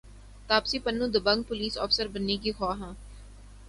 تاپسی پنو دبنگ پولیس افسر بننے کی خواہاں